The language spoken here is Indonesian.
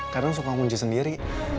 kadang suka ngunci sendiri